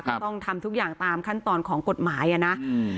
ก็ต้องทำทุกอย่างตามขั้นตอนของกฎหมายนะ